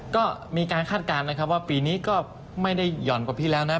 ก็มีการคาดการณ์นะครับว่าปีนี้ก็ไม่ได้หย่อนกว่าพี่แล้วนะ